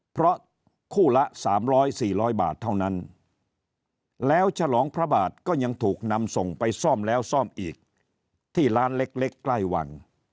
เพราะคู่ละ๓๐๐๔๐๐บาทเท่านั้นแล้วฉลองพระบาทก็ยังถูกนำส่งไปซ่อมแล้วซ่อมอีกที่ร้านเล็กใกล้วัง